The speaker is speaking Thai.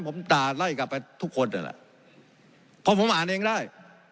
ผมจะไล่กลับไปทุกคนเดี๋ยวล่ะเพราะผมอ่านเองได้